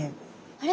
あれ？